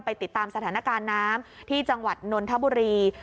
ติดตามสถานการณ์น้ำที่จังหวัดนนทบุรี